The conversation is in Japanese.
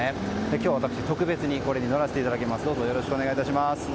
今日、私特別に乗らせていただきます。